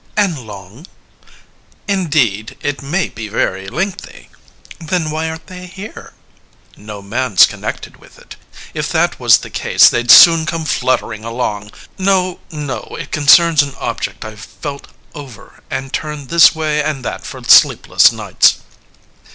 CALONICE And long? LYSISTRATA Indeed, it may be very lengthy. CALONICE Then why aren't they here? LYSISTRATA No man's connected with it; If that was the case, they'd soon come fluttering along. No, no. It concerns an object I've felt over And turned this way and that for sleepless nights.